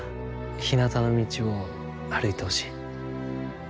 ひなたの道を歩いてほしい。